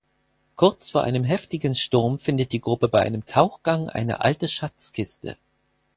Kurz vor einem heftigen Sturm findet die Gruppe bei einem Tauchgang eine alte Schatzkiste.